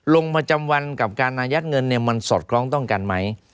ลงประจำวันกับการอายัดเงินเนี่ยมันสอดคล้องต้องกันไหม